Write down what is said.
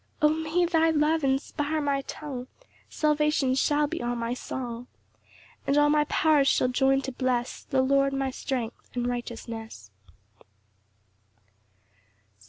8 O may thy love inspire my tongue! Salvation shall be all my song; And all my powers shall join to bless The Lord, my strength and righteousness.